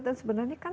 dan sebenarnya kan